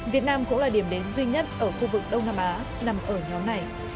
việt nam cũng là điểm đến duy nhất ở khu vực đông nam á nằm ở nhóm này